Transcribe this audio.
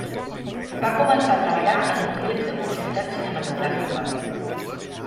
Va començar a treballar en un taller de publicitat cinematogràfica.